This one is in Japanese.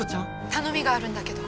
頼みがあるんだけど。